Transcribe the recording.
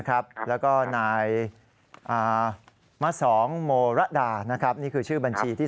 แล้วก็นายมะสองโมระดานะครับนี่คือชื่อบัญชีที่